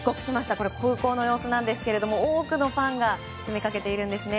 これ、空港の様子なんですが多くのファンが詰めかけているんですね。